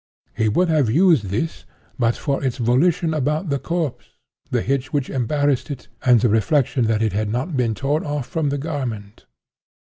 He would have used this, but for its volution about the corpse, the hitch which embarrassed it, and the reflection that it had not been 'torn off' from the garment.